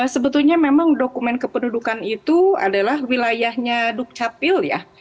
sebetulnya memang dokumen kependudukan itu adalah wilayahnya dukcapil ya